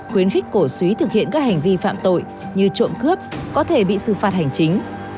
khuyến khích cổ suý thực hiện các hành vi phạm tội như trộm cướp có thể bị xử phạt hành chính